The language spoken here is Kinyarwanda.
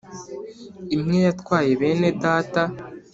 imwe yatwaye bene data